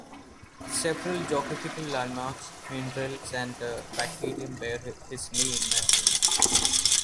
Several geographical landmarks, minerals and a bacterium bear his name as well.